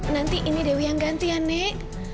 nanti ini dewi yang ganti ya nek